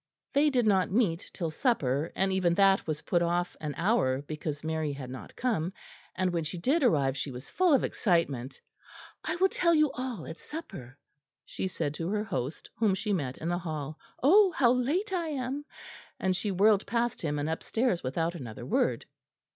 They did not meet till supper, and even that was put off an hour, because Mary had not come, and when she did arrive she was full of excitement. "I will tell you all at supper," she said to her host, whom she met in the hall. "Oh! how late I am!" and she whirled past him and upstairs without another word.